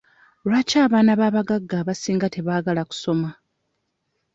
Lwaki abaana b'abagagga abasinga tebaagala kusoma?